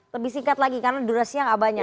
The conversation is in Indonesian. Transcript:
lebih singkat lagi karena durasinya nggak banyak